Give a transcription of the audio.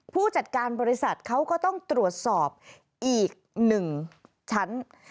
ผู้จัดการบริษัทเขาก็ต้องตรวจสอบอีก๑ชั้น